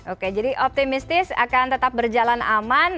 oke jadi optimistis akan tetap berjalan aman